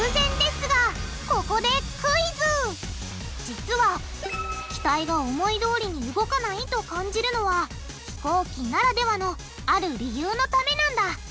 実は機体が思いどおりに動かないと感じるのは飛行機ならではのある理由のためなんだ。